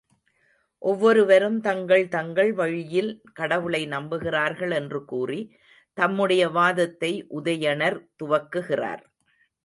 ஒவ்வொருவரும் தங்கள், தங்கள் வழியில் கடவுளை நம்புகிறார்கள் என்று கூறி தம்முடைய வாதத்தை உதயணர் துவக்குகிறார்.